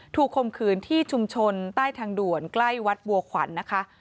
คมขืนที่ชุมชนใต้ทางด่วนใกล้วัดบัวขวัญนะคะ